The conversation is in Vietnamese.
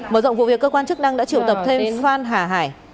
mở rộng vụ việc cơ quan chức năng đã triệu tập thêm hoan hà hải